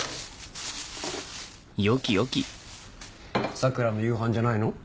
桜の夕飯じゃないの？